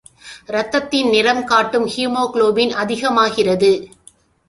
இரத்தத்தின் நிறம் காட்டும் ஹீமோகுளோபின் அதிகமாகிறது.